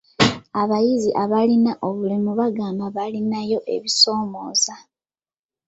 Abayizi abalina obulemu baagamba balinayo ebisoomooza.